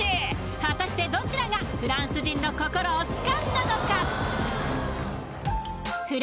果たしてどちらがフランス人の心をつかんだのか？